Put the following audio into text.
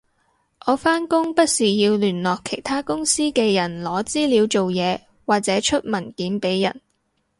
我返工不時要聯絡其他公司嘅人攞資料做嘢或者出文件畀人